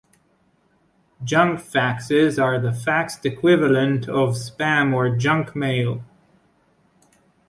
Junk faxes are the faxed equivalent of spam or junk mail.